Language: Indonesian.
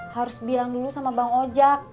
harus bilang dulu sama bang oja